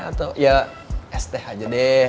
atau ya es teh aja deh